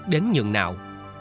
đến nhường nào